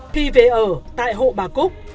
khi về ở tại hộ bà cúc